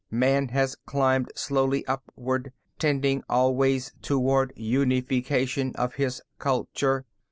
Man has climbed slowly upward, tending always toward unification of his culture.